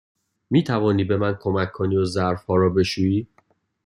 می توانی به من کمک کنی و ظرف ها را بشویی؟